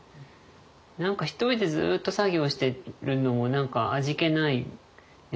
何か一人でずっと作業してるのも何か味気ないですけど。